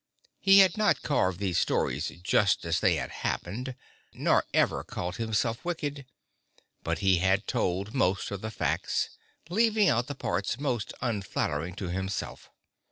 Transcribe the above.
He had not carved these stories just as they had happened, nor ever called himself wicked, but he had told most of the facts, leaving out the parts most unflattering to himself.